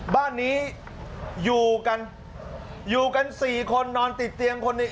บ้านนี้อยู่กัน๔คนนอนติดเตียงคนหนึ่ง